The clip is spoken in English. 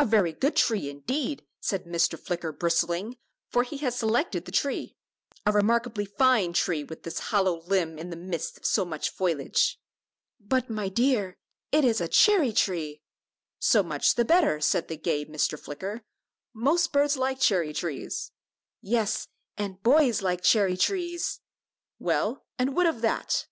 "A very good tree, indeed," said Mr. Flicker, bristling, for he had selected the tree; "a remarkably fine tree, with this hollow limb in the midst of so much foliage." "But, my dear, it is a cherry tree." "So much the better," said the gay Mr. Flicker; "most birds like cherry trees." "Yes, and boys like cherry trees!" "Well, and what of that?"